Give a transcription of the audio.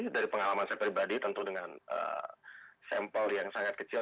dari pengalaman saya pribadi tentu dengan sampel yang sangat kecil